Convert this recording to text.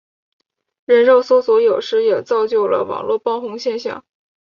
人肉搜索有时也造就了网路爆红现象。